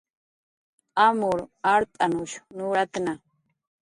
Amur art'anush nuratna